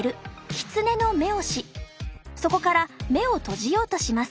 キツネの目をしそこから目を閉じようとします。